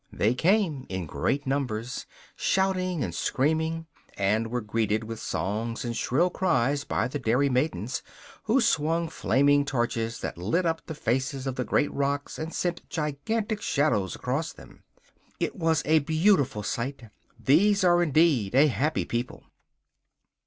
They came in great numbers, shouting and screaming, and were greeted with songs and shrill cries by the dairy maidens, who swung flaming torches that lit up the faces of the great rocks and sent gigantic shadows across them. It was a beautiful sight. These are indeed a happy people.